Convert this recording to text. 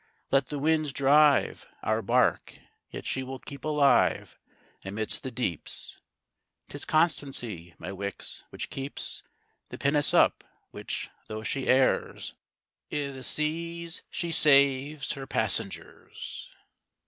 Let the winds drive Our bark, yet she will keep alive Amidst the deeps; 'Tis constancy, my Wickes, which keeps The pinnace up; which, though she errs I' th' seas, she saves her passengers.